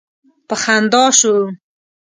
په خندا شو.